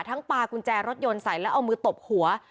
ปลากุญแจรถยนต์ใส่แล้วเอามือตบหัว